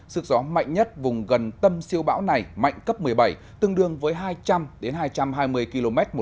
sức gió mạnh nhất vùng gần tâm siêu bão này mạnh cấp một mươi bảy tương đương với hai trăm linh đến hai trăm hai mươi km một giờ giật trên cấp một mươi bảy